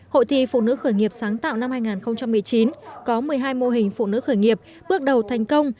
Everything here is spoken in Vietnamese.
hội thi phụ nữ khởi nghiệp sáng tạo năm hai nghìn một mươi chín có một mươi hai mô hình phụ nữ khởi nghiệp bước đầu thành công